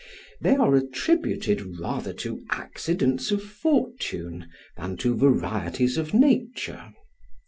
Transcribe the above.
They are attributed rather to accidents of fortune than to varieties of nature.